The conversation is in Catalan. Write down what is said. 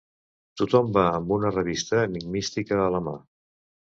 Tothom va amb una revista enigmística a la mà.